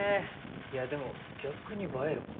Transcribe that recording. いやでも逆に映えるか？